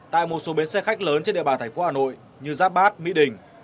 tại một số bến xe khách lớn trên địa bàn thành phố hà nội như giáp bát mỹ đình